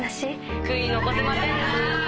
悔い残せませんな！